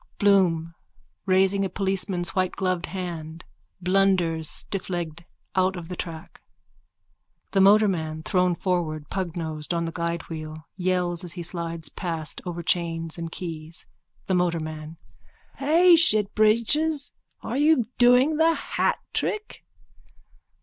Bloom, raising a policeman's whitegloved hand, blunders stifflegged out of the track. The motorman, thrown forward, pugnosed, on the guidewheel, yells as he slides past over chains and keys.)_ THE MOTORMAN: Hey, shitbreeches, are you doing the hat trick?